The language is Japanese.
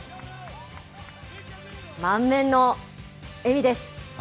満面の笑みです。